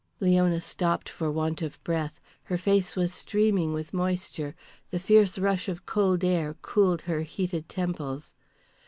Leona stopped for want of breath. Her face was streaming with moisture. The fierce rush of cold air cooled her heated temples.